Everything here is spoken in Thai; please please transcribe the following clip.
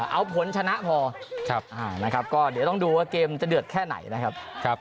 เอาผลชนะพอนะครับก็เดี๋ยวต้องดูว่าเกมจะเดือดแค่ไหนนะครับ